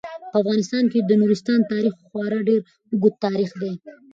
په افغانستان کې د نورستان تاریخ خورا ډیر اوږد تاریخ دی.